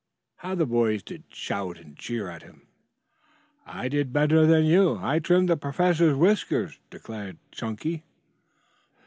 How the boys did shout and jeer at him! "I did better than you. I trimmed the professor's whiskers," declared Chunky.